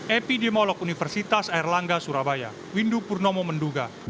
epidemolog universitas airlangga surabaya windu purnomo menduga